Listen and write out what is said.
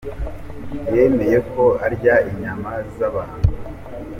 Yemeye ko arya inyama z’abantu